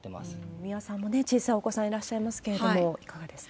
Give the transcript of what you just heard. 三輪さんもね、小さいお子さんいらっしゃいますけれども、いかがですか？